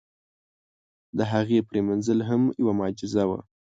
د هغې پرېمنځل هم یوه معجزه وه.